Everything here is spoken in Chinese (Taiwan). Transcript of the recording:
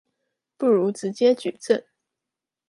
不如直接舉證